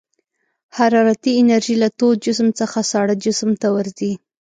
حرارتي انرژي له تود جسم څخه ساړه جسم ته ورځي.